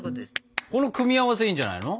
この組み合わせいいんじゃないの？